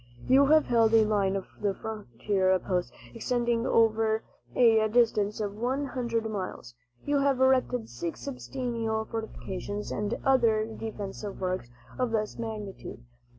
You have held a line of frontier posts extending over a distance of one hundred miles. You have erected six substantial fortifications, and other defensive works of less magnitude.